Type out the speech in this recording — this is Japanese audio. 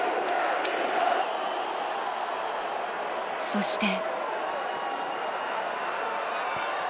そして。